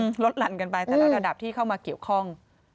มันลดหลั่นกันไปแต่ละระดับที่เข้ามาเกี่ยวข้อง